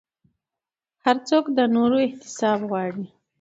هر څوک د نورو احتساب غواړي